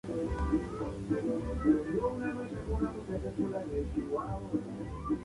Incluso los demás siervos no podían contener la risa al ver tal espectáculo.